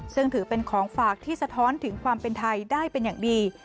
ซึ่งถือเป็นของฝากที่สะท้อนถึงความเป็นไทยได้เป็นอย่างดี